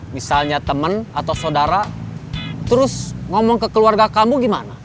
misalnya teman atau saudara terus ngomong ke keluarga kamu gimana